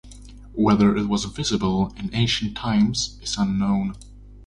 Whether it was visible in ancient times is unknown.